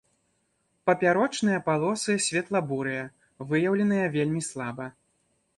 Папярочныя палосы светла-бурыя, выяўленыя вельмі слаба.